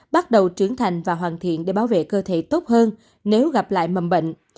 bắt đầu trưởng thành và hoàn thiện để bảo vệ cơ thể tốt hơn nếu gặp lại mầm bệnh